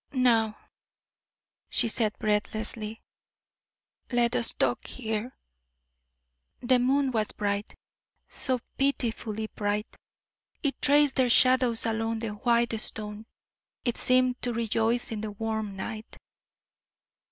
"Now," she said, breathlessly, "let us talk here." The moon was bright so pitifully bright, it traced their shadows along the white stone; it seemed to rejoice in the warm night.